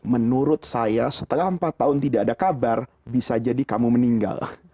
menurut saya setelah empat tahun tidak ada kabar bisa jadi kamu meninggal